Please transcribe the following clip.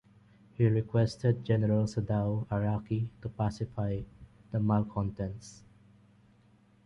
He requested General Sadao Araki to pacify the malcontents.